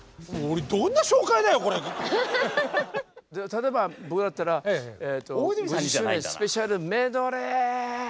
例えば僕だったらええっと５０周年スペシャルメドレー！